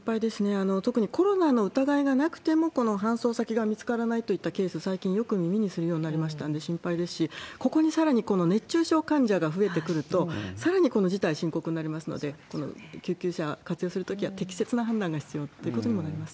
特にコロナの疑いがなくても、この搬送先が見つからないといったケース、最近よく耳にするようになりましたんで、心配ですし、ここにさらに熱中症患者が増えてくると、さらにこの事態深刻になりますので、救急車活用するときは、適切な判断が必要ということにもなります